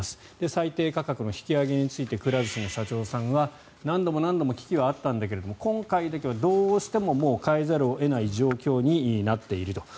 最低価格の引き上げについてくら寿司の社長さんは何度も何度も危機はあったんだけれども今回だけはどうしてももう変えざるを得ない状況になっていると。